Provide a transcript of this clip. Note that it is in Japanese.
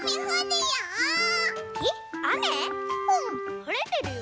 はれてるよ。